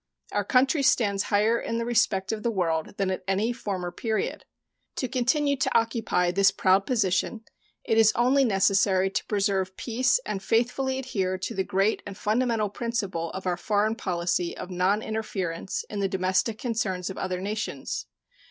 Our country stands higher in the respect of the world than at any former period. To continue to occupy this proud position, it is only necessary to preserve peace and faithfully adhere to the great and fundamental principle of our foreign policy of noninterference in the domestic concerns of other nations.